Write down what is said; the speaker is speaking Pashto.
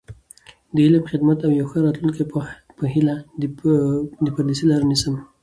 د علم، خدمت او یو ښه راتلونکي په هیله، د پردیسۍ لاره نیسم.